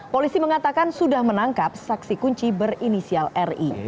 polisi mengatakan sudah menangkap saksi kunci berinisial ri